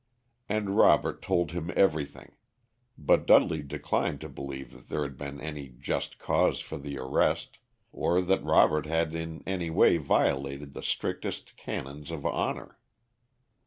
And Robert told him everything, but Dudley declined to believe that there had been any just cause for the arrest, or that Robert had in any way violated the strictest canons of honor.